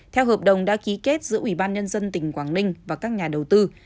theo hợp đồng đã ký kết giữa ubnd tỉnh quảng ninh và các nhà đầu tư